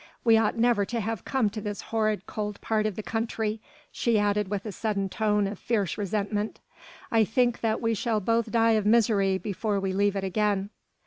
We ought never to have come to this horrible cold part of the country," she added with a sudden tone of fierce resentment. "I think that we shall both die of misery before we leave it again."